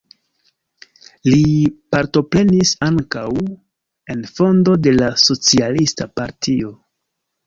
Li partoprenis ankaŭ en fondo de la socialista partio.